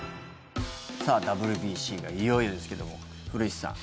さあ、ＷＢＣがいよいよですけども、古市さん